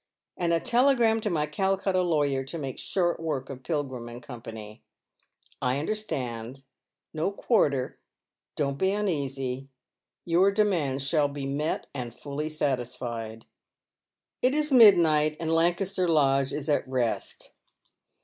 And a telegi am to my Calcutta lawyer to make short work of Pilgrim and Company." " I understand. No quarter. Don't be uneasy. Your demands shall be met and fully satisfied. o o « o e It is midnight, and Lancaster Lodge is at rest.